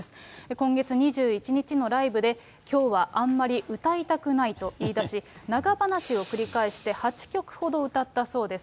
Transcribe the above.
今月２１日のライブで、きょうはあんまり歌いたくないと言いだし、長話を繰り返して８曲ほど歌ったそうです。